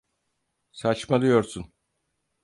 Saçmalıyorsun.